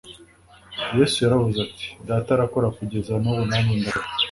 Yesu yaravuze ati, “Data arakora kugeza n’ubu, nanjye ndakora.